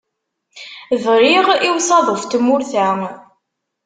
Briɣ i usaḍuf n tmurt-a.